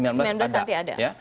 dua ribu sembilan belas nanti ada